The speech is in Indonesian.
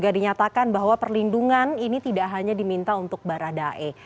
dan bahwa perlindungan ini tidak hanya diminta untuk baradae